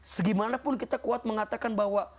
segimanapun kita kuat mengatakan bahwa